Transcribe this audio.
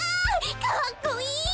かっこいい！